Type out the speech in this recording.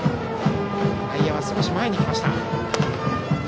内野は少し前に来ました。